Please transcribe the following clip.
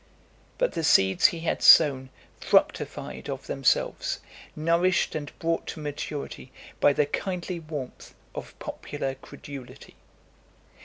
But the seeds he had sown fructified of themselves, nourished and brought to maturity by the kindly warmth of popular credulity.